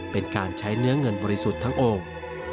เป็นการใช้เนื้อเงินบริสุทธิ์ทั้งองค์